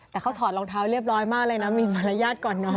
เธอสอดรองเท้าเรียบร้อยมากเลยนะมีประหละอีกก่อนนอน